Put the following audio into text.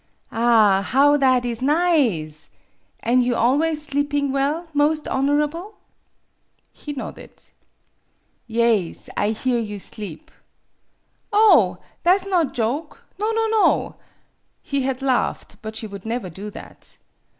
" Ah, bow that is nize! An' you always sleeping well, most honorable ?" He nodded. " Yaes 1 hear you sleep. Oh! Tha' 's not joke! No, no, no!" He had laughed, but she would never do that.